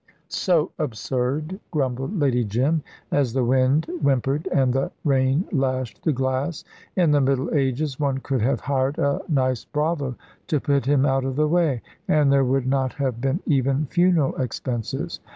"So absurd!" grumbled Lady Jim, as the wind whimpered and the rain lashed the glass, "in the middle ages one could have hired a nice bravo to put him out of the way, and there would not have been even funeral expenses.